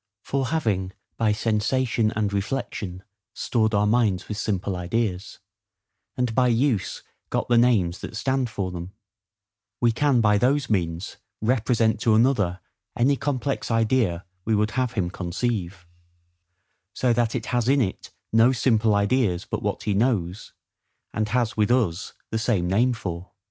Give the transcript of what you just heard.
For, having by sensation and reflection stored our minds with simple ideas, and by use got the names that stand for them, we can by those means represent to another any complex idea we would have him conceive; so that it has in it no simple ideas but what he knows, and has with us the same name for.